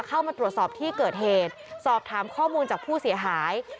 เข้ามาตรวจสอบที่เกิดเหตุสอบถามข้อมูลจากผู้เสียหาย